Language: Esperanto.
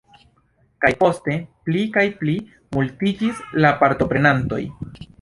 Kaj poste pli kaj pli multiĝis la partoprenantoj.